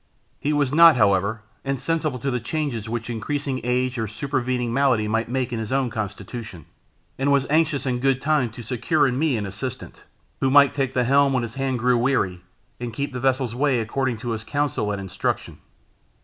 He was not, however, insensible to the changes which increasing age or supervening malady might make in his own constitution; and was anxious in good time to secure in me an assistant, who might take the helm when his hand grew weary, and keep the vessel's way according to his counsel and instruction.